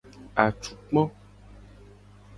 Atukpa.